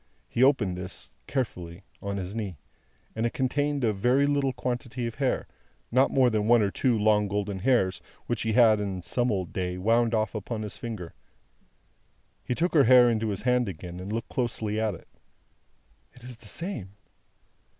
He opened this, carefully, on his knee, and it contained a very little quantity of hair: not more than one or two long golden hairs, which he had, in some old day, wound off upon his finger. He took her hair into his hand again, and looked closely at it. "It is the same.